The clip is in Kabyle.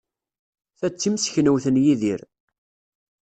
Ta d timseknewt n Yidir.